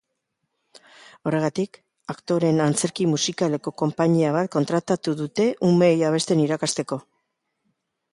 Horregatik, aktoreen antzerki musikaleko konpainia bat kontratu dute umeei abesten irakasteko.